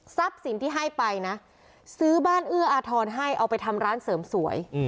สินที่ให้ไปนะซื้อบ้านเอื้ออาทรให้เอาไปทำร้านเสริมสวย